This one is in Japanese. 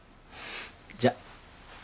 じゃあ。